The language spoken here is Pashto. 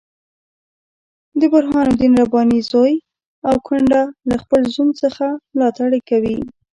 د برهان الدین رباني زوی او کونډه له خپل زوم څخه ملاتړ کوي.